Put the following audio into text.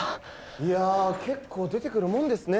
いや結構出てくるもんですね